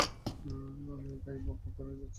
আমি একাই বকবক করে যাচ্ছি।